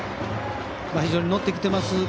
非常に乗ってきてます。